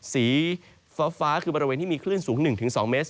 สีฟ้าคือบริเวณที่มีคลื่นสูง๑๒เมตร